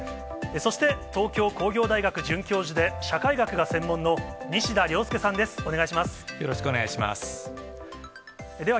そして、東京工業大学准教授で、社会学が専門の西田亮介さんです。